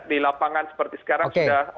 di lapangan seperti sekarang sudah